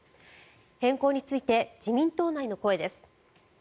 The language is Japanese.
変更について自民党内の声です。